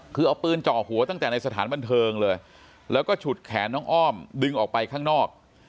คือเอาปืนจ่อหัวตั้งแต่ในสถานบันเทิงเลยแล้วก็ฉุดแขนน้องอ้อมดึงออกไปข้างนอก